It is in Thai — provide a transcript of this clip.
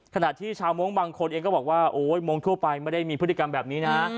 ขณะที่ชาวมงค์บางคนเองก็บอกว่าโอ๊ยมงคทั่วไปไม่ได้มีพฤติกรรมแบบนี้นะ